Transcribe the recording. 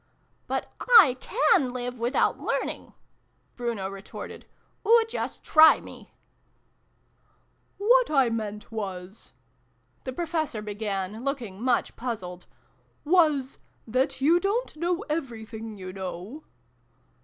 "But I can live without learning!" Bruno retorted. " Oo just try me !"" What I meant, was " the Professor began, looking much puzzled, "was that you don't know everything, you know."